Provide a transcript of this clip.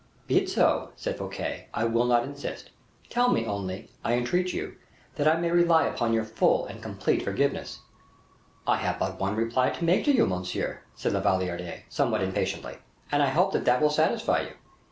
"Be it so," said Fouquet; "I will not insist. Tell me, only, I entreat you, that I may rely upon your full and complete forgiveness." "I have but one reply to make to you, monsieur," said La Valliere, somewhat impatiently, "and I hope that will satisfy you.